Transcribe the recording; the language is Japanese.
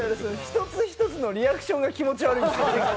１つ１つのリアクションが気持ち悪いんですよ。